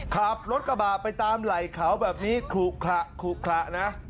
ครับรถกระบาดไปตามไหล่เขาแบบนี้คลุกคละคลุกคละนะ